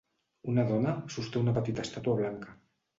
Una dona sosté una petita estàtua blanca.